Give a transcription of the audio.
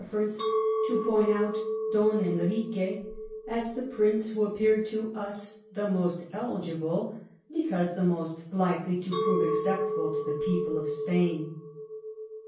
108 ference, to point out Don Enrique as the prince who appeared to us the moBt eligible, because the most likely to prove acceptable to the people of Spain.